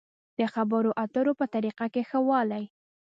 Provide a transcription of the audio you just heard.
د خبرو اترو په طريقه کې ښه والی.